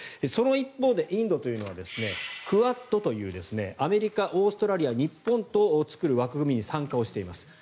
その一方でインドというのはクアッドというアメリカ、オーストラリア日本と作る枠組みに参加しています。